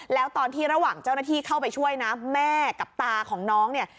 แล้วตอนที่ระหว่างเจ้าหน้าที่เข้าไปช่วยนะแม่กับตาของน้องเนี่ย